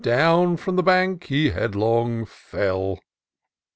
— Down from the bank he headlong fell.